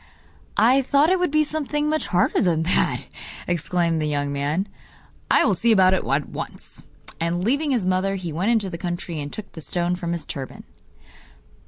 'I thought it would be something much harder than that,' exclaimed the young man. 'I will see about it at once.' And leaving his mother, he went into the country and took the stone from his turban.